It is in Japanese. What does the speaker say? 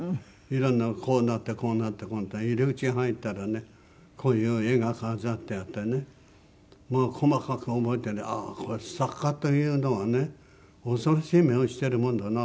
いろんなこうなってこうなってこうなって入り口入ったらねこういう絵が飾ってあってね細かく覚えてああ作家というのはね恐ろしい目をしてるもんだなと思いましたよ。